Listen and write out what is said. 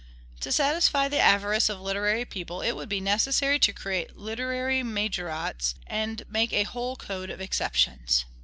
To satisfy the avarice of literary people, it would be necessary to create literary majorats, and make a whole code of exceptions."